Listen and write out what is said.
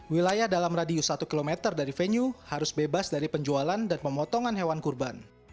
wilayah dalam radius satu km dari venue harus bebas dari penjualan dan pemotongan hewan kurban